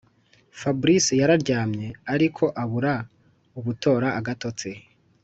fabric yararyamye ariko abura ubutora agatotsi